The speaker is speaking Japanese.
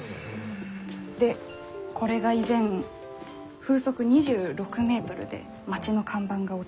でこれが以前風速２６メートルで町の看板が落ちた写真です。